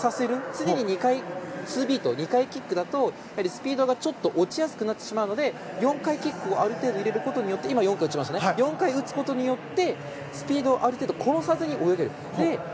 次に２回、ツービート２回キックだとやはりスピードがちょっと落ちやすくなってしまうので４回キックをある程度入れることによって４回打つことによってスピードをある程度、殺さずに泳げる。